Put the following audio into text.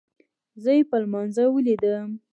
زه يې په لمانځه وليدم.